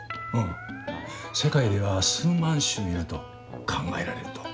世界では数万種いると考えられる」と。